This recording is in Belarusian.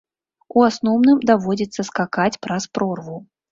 У асноўным даводзіцца скакаць праз прорву.